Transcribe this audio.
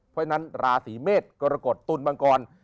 เพราะฉะนั้นราศีเมษกรกฎตุลมังกร